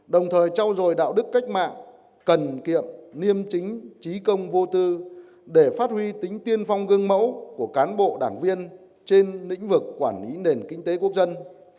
đồng thời trao dồi đạo đức cách mạng cần kiệm liêm chính trí công vô tư để phát huy tính tiên phong gương mẫu của cán bộ đảng viên trên lĩnh vực quản lý nền kinh tế quốc dân